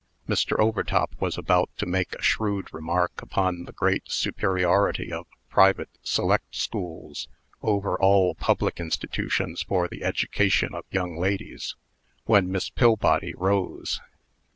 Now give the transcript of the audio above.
Mr. Overtop was about to make a shrewd remark upon the great superiority of private select schools over all public institutions for the education of young ladies, when Miss Pillbody rose.